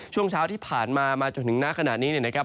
ช่วงเช้าที่ผ่านมามาจนถึงหน้าขณะนี้เนี่ยนะครับ